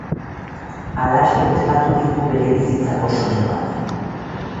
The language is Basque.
Halaxe osatu digu bere bizitzako soinu banda.